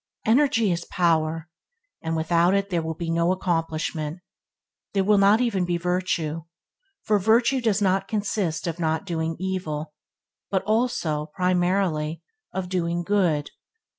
Energy is power, and without it there will be no accomplishment; there will not even be virtue, for virtue does not only consist of not doing evil, but also, primarily, of doing good.